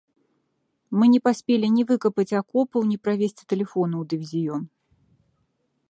Мы не паспелі ні выкапаць акопаў, ні правесці тэлефону ў дывізіён.